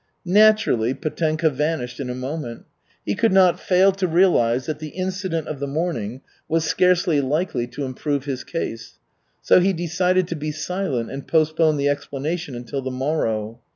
Naturally, Petenka vanished in a moment. He could not fail to realize that the incident of the morning was scarcely likely to improve his case. So he decided to be silent and postpone the explanation until the morrow.